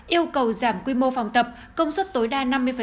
yêu cầu giảm quy mô phòng tập công suất tối đa năm mươi